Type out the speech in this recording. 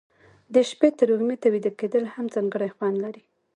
د شپې تروږمي ته ویده کېدل هم ځانګړی خوند لري.